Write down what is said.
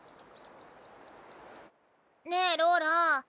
ねぇローラ